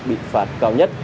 bị phạt cao nhất